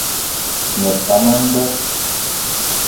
Me pam a nda.